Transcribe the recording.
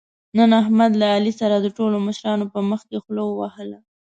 نن احمد له علي سره د ټولو مشرانو په مخکې خوله ووهله.